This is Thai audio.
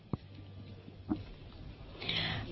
ภรรทีคไทย